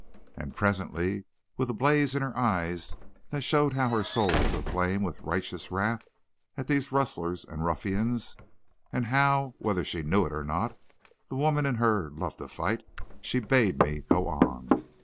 And presently, with a blaze in her eyes that showed how her soul was aflame with righteous wrath at these rustlers and ruffians, and how, whether she knew it or not, the woman in her loved a fight, she bade me go on.